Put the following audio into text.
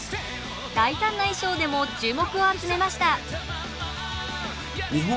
大胆な衣装でも注目を集めました。